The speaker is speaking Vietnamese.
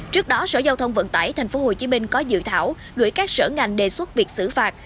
trước đó sở giao thông vận tải tp hcm có dự thảo gửi các sở ngành đề xuất việc xử phạt